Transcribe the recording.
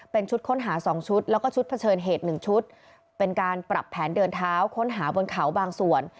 เป็นชุดค้นหา๒ชุดแล้วก็ชุดเผชิญเหตุหนึ่งชุดเป็นการปรับแผนเดินเท้าค้นหาบนเขาบางส่วน